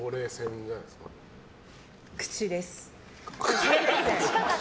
口です。